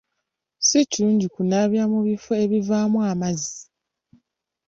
Si kirungi kunaabira mu bifo ebivaamu amazzi.